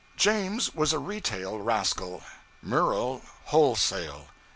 James was a retail rascal; Murel, wholesale.